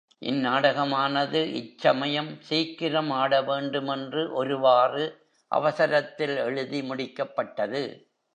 இந் நாடகமானது, இச்சமயம், சீக்கிரம் ஆடவேண்டுமென்று ஒருவாறு அவசரத்தில் எழுதி முடிக்கப்பட்டது.